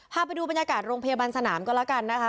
พาไปดูบรรยากาศโรงพยาบาลสนามก็แล้วกันนะคะ